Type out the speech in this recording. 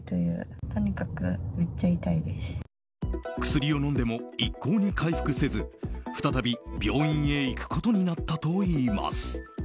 薬を飲んでも一向に回復せず再び病院へ行くことになったといいます。